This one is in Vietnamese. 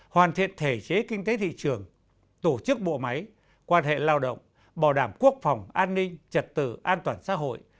hoàn thiện thể chế kinh tế thị trường tổ chức bộ máy quan hệ lao động bảo đảm quốc phòng an ninh trật tự an toàn xã hội